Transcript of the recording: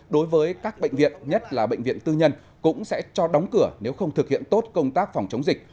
đối với các bệnh viện nhất là bệnh viện tư nhân cũng sẽ cho đóng cửa nếu không thực hiện tốt công tác phòng chống dịch